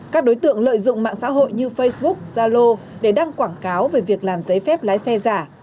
các đối tượng lợi dụng mạng xã hội như facebook zalo để đăng quảng cáo về việc làm giấy phép lái xe giả